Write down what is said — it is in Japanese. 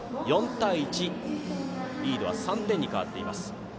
４対１、リードは３点に変わっています。